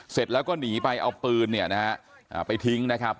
เสร็จแล้วก็หนีไปเอาปืนเนี่ยนะฮะไปทิ้งนะครับ